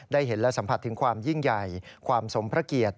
ได้เห็นและสัมผัสถึงความยิ่งใหญ่ความสมพระเกียรติ